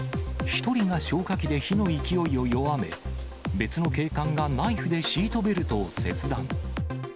１人が消火器で火の勢いを弱め、別の警官がナイフでシートベルトを切断。